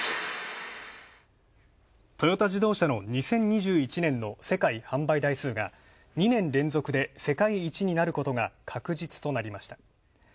トヨタ自動車の２０２１年の世界販売台数が２年連続で世界一になることが確実となりました。